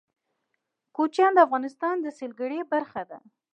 کوچیان د افغانستان د سیلګرۍ برخه ده.